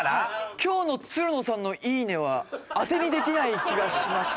今日のつるのさんの「いいね」はあてにできない気がしまして。